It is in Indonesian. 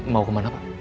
mau kemana pak